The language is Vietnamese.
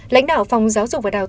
lãnh đạo phòng giáo dục và đặc biệt